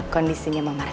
kondisinya mama reva